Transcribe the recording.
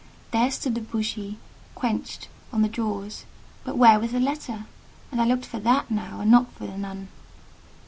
There stood the bougie quenched on the drawers; but where was the letter? And I looked for that now, and not for the nun.